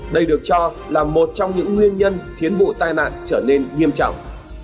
đây được cho là một trong những nguyên nhân khiến vụ tai nạn trở nên nghiêm trọng